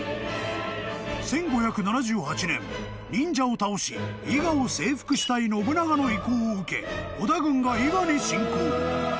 ［１５７８年忍者を倒し伊賀を征服したい信長の意向を受け織田軍が伊賀に侵攻］